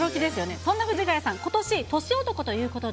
そんな藤ヶ谷さん、ことし、年男ということで。